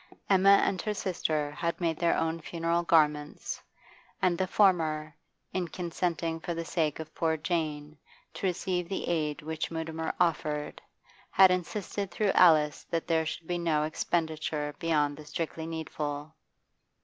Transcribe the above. Emma and her sister had made their own funeral garments, and the former, in consenting for the sake of poor Jane to receive the aid which Mutimer offered, had insisted through Alice that there should be no expenditure beyond the strictly needful.